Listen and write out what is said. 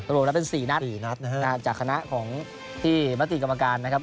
รวมแล้วเป็น๔นัด๔นัดนะฮะจากคณะของที่มติกรรมการนะครับ